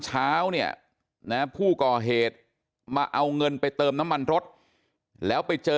เช้าเนี่ยนะผู้ก่อเหตุมาเอาเงินไปเติมน้ำมันรถแล้วไปเจอ